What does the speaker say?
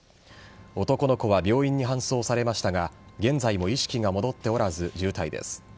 男の子は病院に搬送されましたが現在も意識が戻っておらず重体です。